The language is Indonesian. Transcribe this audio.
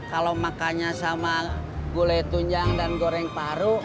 kalau makannya sama gulai tunjang dan goreng paru